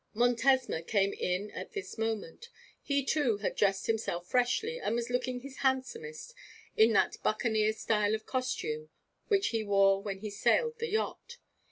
Montesma came in at this moment. He, too, had dressed himself freshly, and was looking his handsomest, in that buccaneer style of costume which he wore when he sailed the yacht.